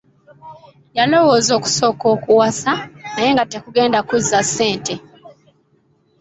Yalowooza okusooka okuwasa naye nga tekugenda kuzza ssente.